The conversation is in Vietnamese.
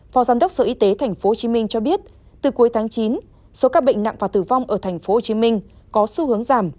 phó giám đốc sở y tế tp hcm cho biết từ cuối tháng chín số ca bệnh nặng và tử vong ở tp hcm có xu hướng giảm